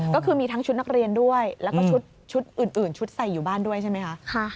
ก็คือมีทั้งชุดนักเรียนด้วยแล้วก็ชุดอื่นชุดใส่อยู่บ้านด้วยใช่ไหมคะ